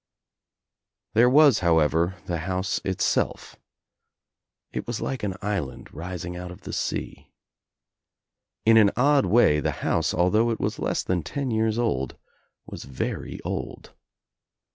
There was however the house Itself. It was like an island rising out of the sea. In an odd way the house, although it was less than ten years old, was very old.